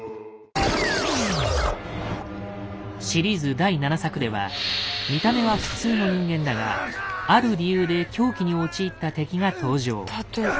シリーズ第７作では見た目は普通の人間だがある理由で狂気に陥った敵が登場。